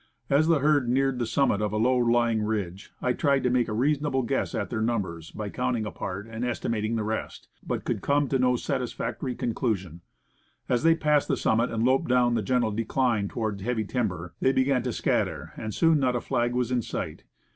As the herd neared the summit of the low lying ridge, I tried to make a reasonable guess at their numbers, by counting a part and estimating the rest, but could come to no satisfactory conclusion. As they passed the summit and loped down the gentle decline toward heavy timber, they began to scatter, and soon not a flag was in sight.